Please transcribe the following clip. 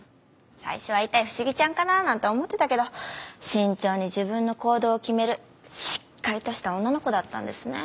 最初は痛い不思議ちゃんかななんて思ってたけど慎重に自分の行動を決めるしっかりとした女の子だったんですね。